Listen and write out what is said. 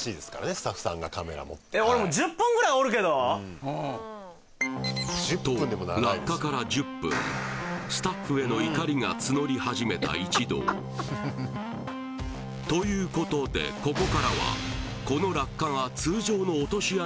スタッフさんがカメラ持ってと落下から１０分スタッフへの怒りが募り始めた一同ということでここからはこの落下が通常の落とし穴